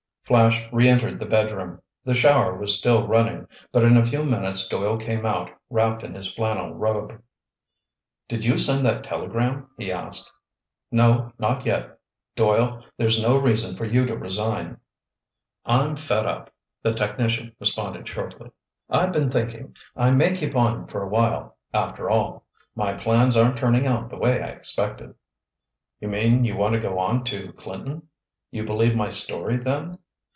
Flash re entered the bedroom. The shower was still running, but in a few minutes Doyle came out, wrapped in his flannel robe. "Did you send that telegram?" he asked. "No, not yet. Doyle, there's no reason for you to resign." "I'm fed up," the technician responded shortly. "I've been thinking. I may keep on for awhile, after all. My plans aren't turning out the way I expected." "You mean you want to go on to Clinton? You believe my story, then?"